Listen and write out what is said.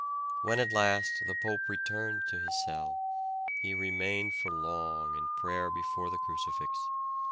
When at last the pope returned to his cell he remained for long in prayer before the crucifix.